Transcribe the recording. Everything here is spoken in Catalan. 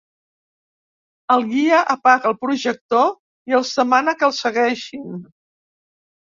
El guia apaga el projector i els demana que el segueixin.